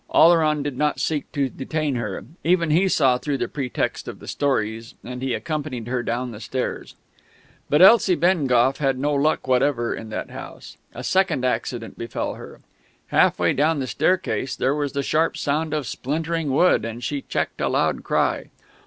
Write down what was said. Oleron did not seek to detain her; even he saw through the pretext of the stories; and he accompanied her down the stairs. But Elsie Bengough had no luck whatever in that house. A second accident befell her. Half way down the staircase there was the sharp sound of splintering wood, and she checked a loud cry.